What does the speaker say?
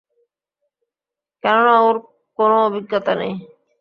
কেননা, ওর কোন অভিজ্ঞতা নেই।